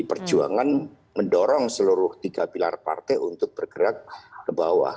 perjuangan mendorong seluruh tiga pilar partai untuk bergerak ke bawah